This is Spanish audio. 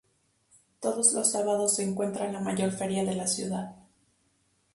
Todos los sábados se encuentra la mayor feria de la ciudad.